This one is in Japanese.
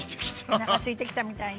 おなかすいてきたみたいね。